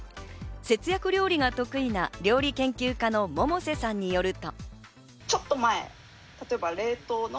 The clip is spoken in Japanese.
節約料理が得意な料理研究家の桃世さんによると。